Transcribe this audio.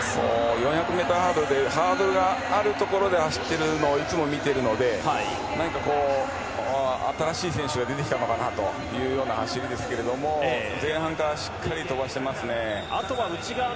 ４００ｍハードルでハードルがあるところで走っているのをいつも見ているので何か、新しい選手が出てきたのかなというような走りですけども前半から飛ばしてますね。